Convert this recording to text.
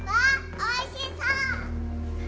おいしそう。